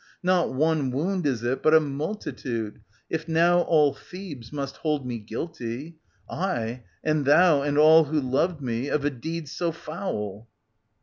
Not one Wound is it, but a multitude, if now All Thebes must hold me guilty — aye, and thou And all who loved me — of a deed so foul.